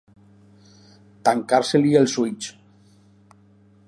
Tancar-se-li els ulls.